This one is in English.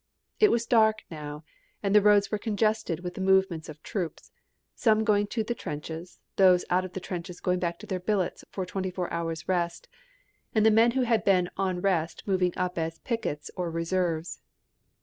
It was dark now, and the roads were congested with the movements of troops, some going to the trenches, those out of the trenches going back to their billets for twenty four hours' rest, and the men who had been on rest moving up as pickets or reserves.